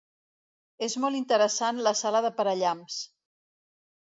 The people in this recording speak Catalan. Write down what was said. És molt interessant la sala de parallamps.